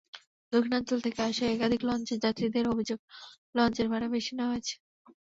দক্ষিণাঞ্চল থেকে আসা একাধিক লঞ্চের যাত্রীদের অভিযোগ, লঞ্চের ভাড়া বেশি নেওয়া হয়েছে।